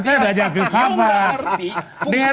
saya belajar filsafat